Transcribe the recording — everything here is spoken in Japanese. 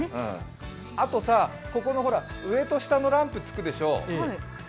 あとさ、ここの上と下のランプつくでしょう。